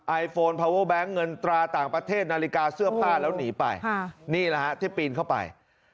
ไอโฟนพาเวอร์แบงค์เงินตราต่างประเทศนาฬิกาเสื้อผ้าแล้วหนีไปนี่แหละฮะที่ปีนเข้าไป